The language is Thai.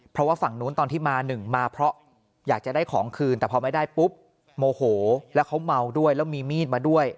เพื่อนมีชวนทางด้วยแล้วมีมีดมาด้วย